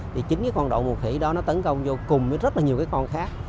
thì chính cái con đậu mùa khỉ đó nó tấn công vô cùng với rất là nhiều con khác